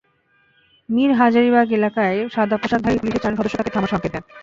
মীর হাজীরবাগ এলাকায় সাদা পোশাকধারী পুলিশের চারজন সদস্য তাঁকে থামার সংকেত দেন।